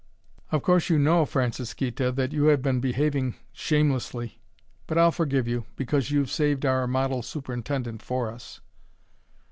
"Of course you know, Francisquita, that you have been behaving shamelessly; but I'll forgive you, because you've saved our model superintendent for us."